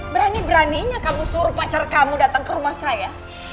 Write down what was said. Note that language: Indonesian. berani beraninya kamu suruh pacar kamu datang ke rumah saya